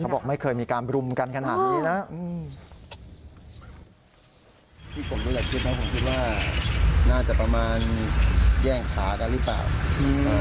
บอกไม่เคยมีการบรุมกันขนาดนี้นะ